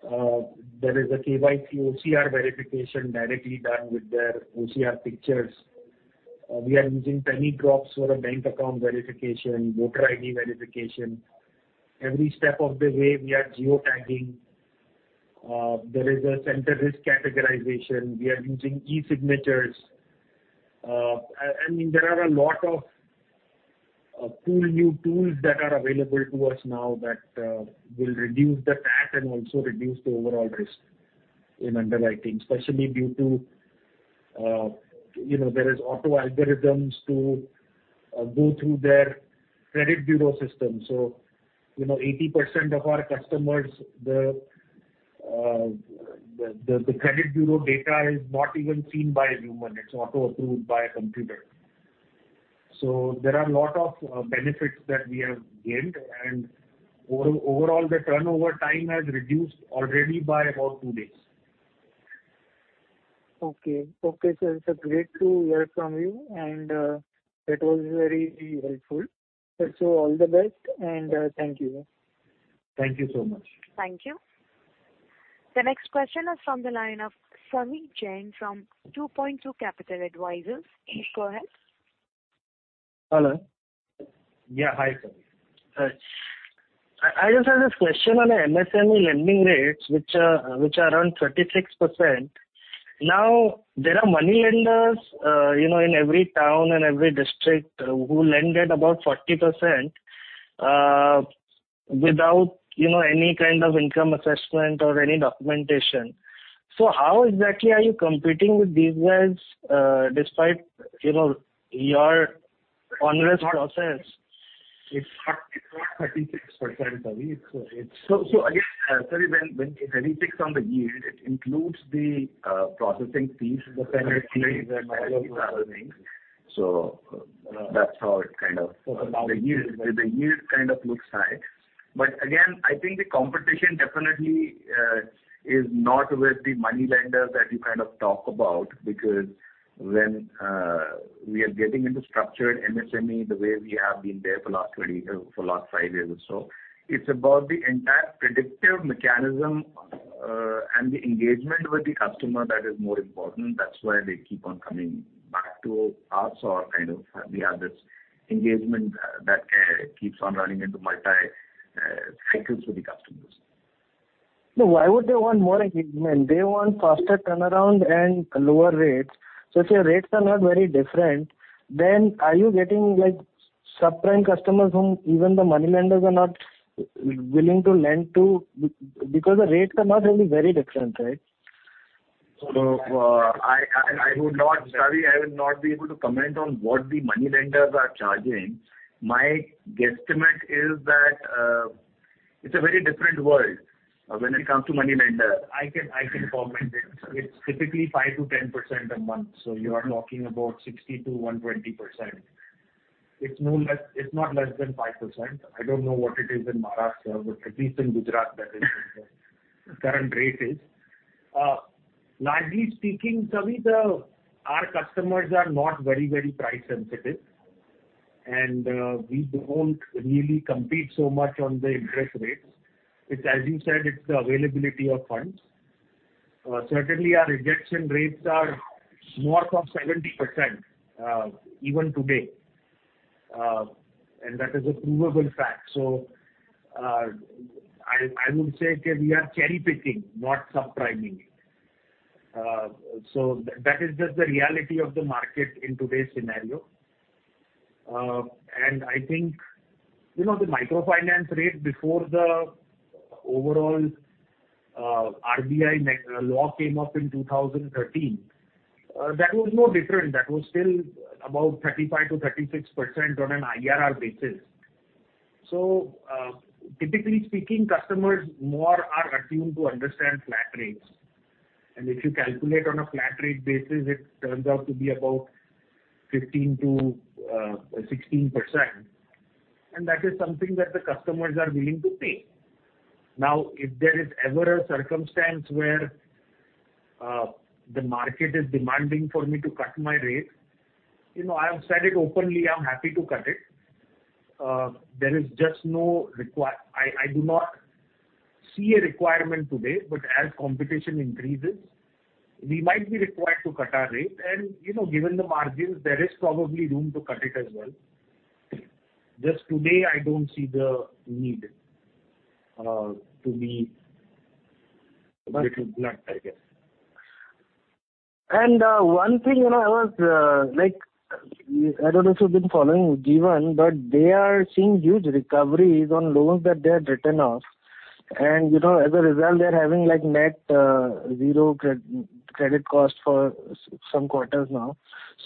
There is a KYC OCR verification directly done with their OCR pictures. We are using Penny Drop for a bank account verification, voter ID verification. Every step of the way we are geotagging. There is a center risk categorization. We are using e-signatures. I mean, there are a lot of cool new tools that are available to us now that will reduce the TAT and also reduce the overall risk in underwriting, especially due to, you know, there is auto-algorithms to go through their credit bureau system. You know, 80% of our customers, the credit bureau data is not even seen by a human. It's auto-approved by a computer. There are lot of benefits that we have gained. Overall, the turnover time has reduced already by about two days. Okay. Okay, sir. It's great to hear from you, and that was very helpful. Sir, all the best and thank you. Thank you so much. Thank you. The next question is from the line of Savi Jain from 2point2 Capital Advisors. Please go ahead. Hello. Yeah. Hi, Savi. Sir- I just have this question on the MSME lending rates which are around 36%. Now, there are money lenders, you know, in every town and every district who lend at about 40%, without, you know, any kind of income assessment or any documentation. How exactly are you competing with these guys, despite, you know, your onerous process? It's not 36%, Savi. Again, Savi, when we think on the yield, it includes the processing fees and other things. That's how it kind of. About a year. The yield kind of looks high. Again, I think the competition definitely is not with the money lenders that you kind of talk about because when we are getting into structured MSME the way we have been there for last 20, for last five years or so, it's about the entire predictive mechanism and the engagement with the customer that is more important. That's why they keep on coming back to us or kind of we have this engagement that keeps on running into multi cycles with the customers. No, why would they want more engagement? They want faster turnaround and lower rates. If your rates are not very different, are you getting like subprime customers whom even the money lenders are not willing to lend because the rates are not really very different, right? I would not... Savi Jain, I will not be able to comment on what the money lenders are charging. My guesstimate is that it's a very different world when it comes to money lender. I can comment it. It's typically 5% to 10% a month, so you are talking about 60% to 120%. It's not less than 5%. I don't know what it is in Maharashtra, but at least in Gujarat that is what the current rate is. Largely speaking, Savi Jain, our customers are not very price sensitive and we don't really compete so much on the interest rates. It's as you said, it's the availability of funds. Certainly our rejection rates are north of 70% even today. And that is a provable fact. I would say that we are cherry-picking, not subpriming. That is just the reality of the market in today's scenario. I think, you know, the microfinance rate before the overall RBI law came up in 2013, that was no different. That was still about 35%-36% on an IRR basis. Typically speaking, customers more are attuned to understand flat rates. If you calculate on a flat rate basis, it turns out to be about 15%-16%, and that is something that the customers are willing to pay. Now, if there is ever a circumstance where the market is demanding for me to cut my rate, you know, I have said it openly, I'm happy to cut it. There is just no require. I do not see a requirement today, but as competition increases, we might be required to cut our rate. You know, given the margins, there is probably room to cut it as well. Just today, I don't see the need to be a little blunt, I guess. One thing, you know, I was like, I don't know if you've been following Ujjivan, but they are seeing huge recoveries on loans that they had written off. You know, as a result, they're having like net zero credit cost for some quarters now.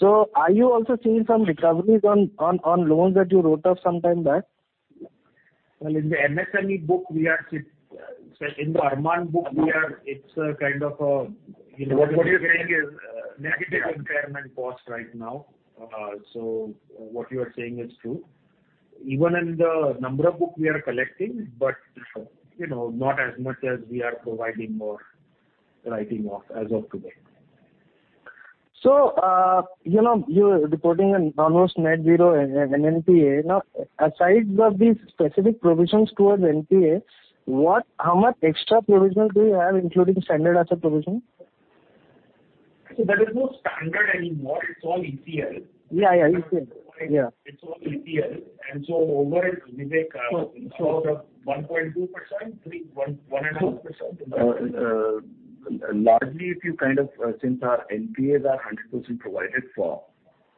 Are you also seeing some recoveries on loans that you wrote off some time back? Well, in the MSME book, Savi, in the Arman book, we are, it's a kind of a, you know. Negative impairment cost right now. What you are saying is true. Even in the Namra book we are collecting, but, you know, not as much as we are providing or writing off as of today. you know, you're reporting an almost net zero NPA. Now, aside of the specific provisions towards NPA, How much extra provisions do you have, including standard asset provision? There is no standard anymore. It's all ECL. Yeah, yeah. ECL. Yeah. It's all ECL. Over it, we take about 1.2% to 1.5%. Largely, if you kind of... Since our NPAs are 100% provided for,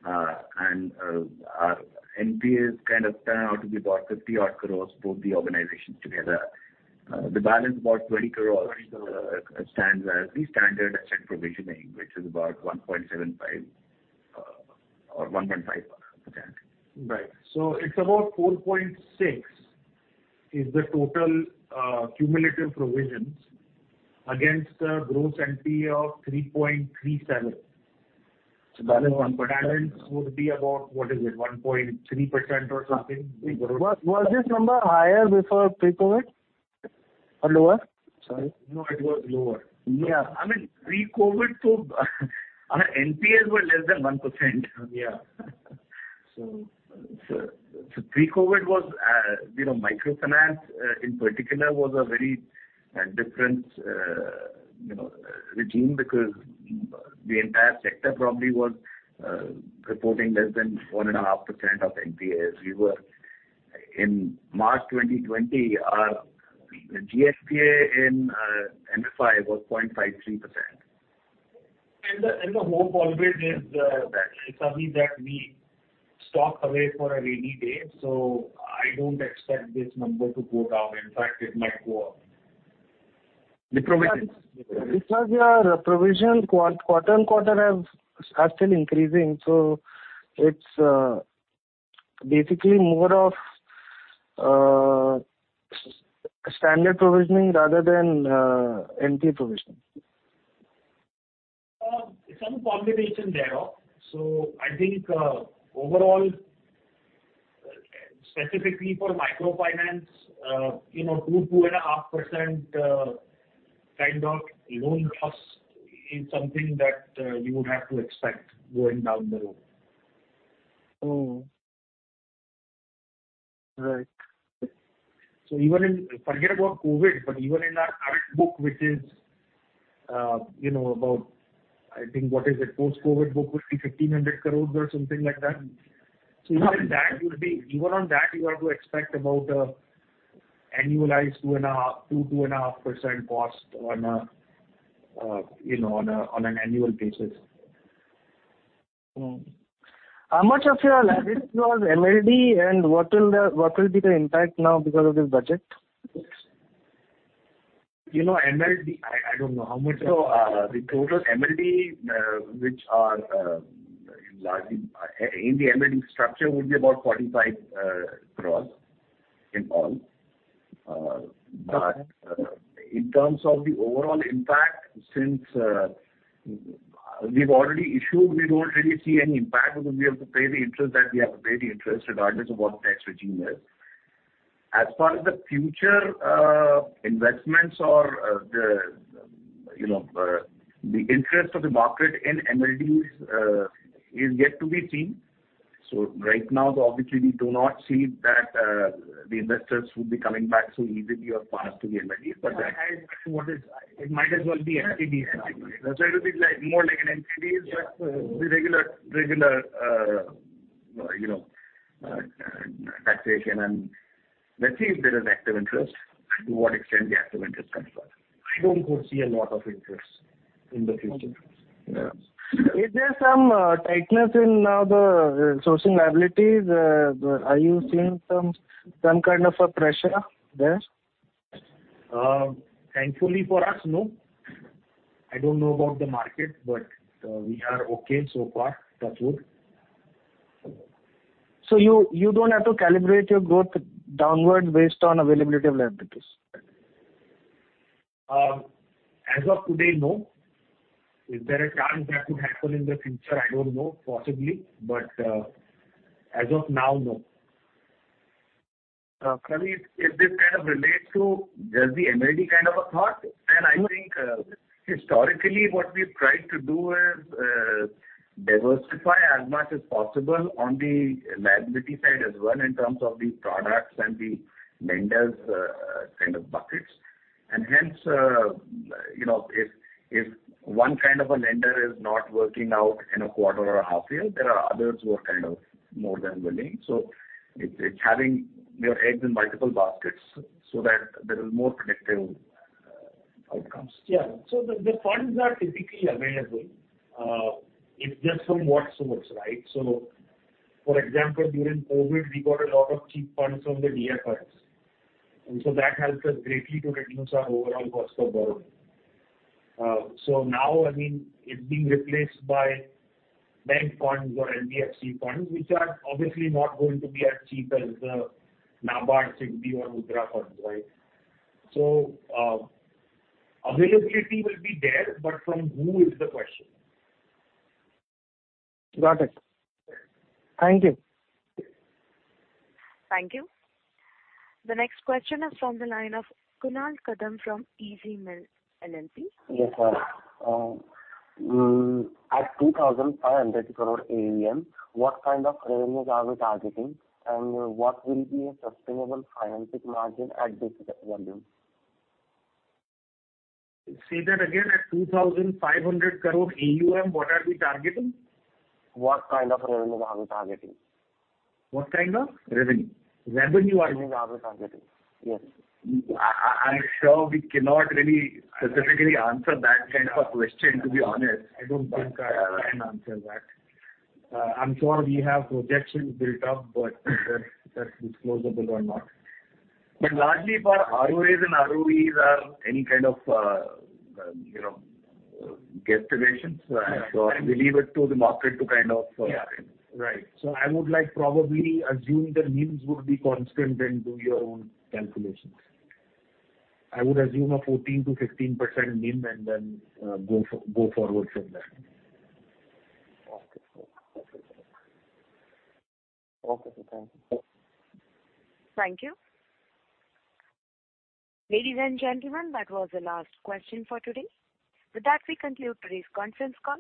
and our NPAs kind of turn out to be about 50 odd crores, both the organizations together, the balance about 20 crores stands as the standard asset provisioning, which is about 1.75% or 1.5%. Right. It's about 4.6% is the total cumulative provisions against gross NPA of 3.37%. Balance would be about, what is it, 1.3% or something? Was this number higher before pre-COVID or lower? Sorry. No, it was lower. Yeah. I mean, pre-COVID, our NPAs were less than 1%. Yeah. Pre-COVID was, you know, microfinance, in particular was a very different, you know, regime because the entire sector probably was reporting less than 1.5% of NPAs. We were in March 2020 our GNPA in MFI was 0.53%. The hope always is, it's something that we stock away for a rainy day, so I don't expect this number to go down. In fact, it might go up. The provisions. Your provision quarter-on-quarter have started increasing, so it's, basically more of, standard provisioning rather than, NPA provisioning. Some combination thereof. I think, overall, specifically for microfinance, you know, 2-2.5% kind of loan loss is something that you would have to expect going down the road. Mm. Right. Forget about COVID, but even in our current book, which is, you know, about I think what is it? Post-COVID book would be 1,500 crores or something like that. Even that would be, even on that you have to expect about annualized 2.5% cost on a, you know, on an annual basis. How much of your liabilities was MLD and what will be the impact now because of this budget? You know, MLD, I don't know how much. The total MLD which are largely in the MLD structure would be about 45 crores in all. In terms of the overall impact, since we've already issued, we don't really see any impact because we have to pay the interest that we have to pay the interest regardless of what the tax regime is. As far as the future investments or the, you know, the interest of the market in MLDs is yet to be seen. Right now, obviously, we do not see that the investors would be coming back so easily or fast to the MLDs. But that It might as well be FCDs. FCDs. It will be like more like an FCDs, but the regular, you know, taxation and let's see if there is active interest and to what extent the active interest comes from. I don't foresee a lot of interest in the future. Okay. Yeah. Is there some tightness in now the sourcing liabilities? Are you seeing some kind of a pressure there? Thankfully for us, no. I don't know about the market, but we are okay so far, touch wood. You don't have to calibrate your growth downward based on availability of liabilities? As of today, no. Is there a chance that could happen in the future? I don't know. Possibly. As of now, no. Probably if this kind of relates to just the MLD kind of a thought, and I think historically what we've tried to do is diversify as much as possible on the liability side as well in terms of the products and the lenders, kind of buckets. Hence, you know, if one kind of a lender is not working out in a quarter or a half year, there are others who are kind of more than willing. It's, it's having your eggs in multiple baskets so that there is more collective outcomes. Yeah. The, the funds are typically available. It's just from what source, right? For example, during COVID, we got a lot of cheap funds from the DFIs. That helped us greatly to reduce our overall cost of borrowing. Now, I mean, it's being replaced by bank funds or NBFC funds, which are obviously not going to be as cheap as the NABARD, SIDBI or MUDRA funds, right? Availability will be there, but from who is the question. Got it. Thank you. Thank you. The next question is from the line of Kunal Kadam from Easy Mills LLC. Yes, sir. At 2,500 crore AUM, what kind of revenues are we targeting and what will be a sustainable financing margin at this volume? Say that again. At 2,500 crore AUM, what are we targeting? What kind of revenue are we targeting? What kind of? Revenue. Revenue. Revenue are we targeting? Yes. I'm sure we cannot really specifically answer that kind of a question, to be honest. I don't think I can answer that. I'm sure we have projections built up, but that's disclosable or not. Largely for ROAs and ROEs are any kind of, you know, guesstimations. We leave it to the market to kind of. Yeah. Right. I would like probably assume the NIMs would be constant and do your own calculations. I would assume a 14%-15% NIM and then, go forward from there. Okay. Cool. Okay. Thank you. Thank you. Ladies and gentlemen, that was the last question for today. With that, we conclude today's conference call.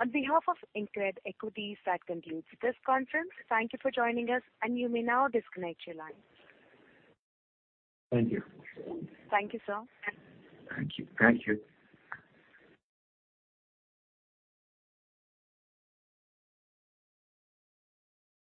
On behalf of InCred Equities, that concludes this conference. Thank you for joining us, and you may now disconnect your line. Thank you. Thank you, sir. Thank you. Thank you.